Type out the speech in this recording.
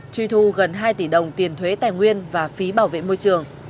truy thu gần hai tỷ đồng tiền thuế tài nguyên và phí bảo vệ môi trường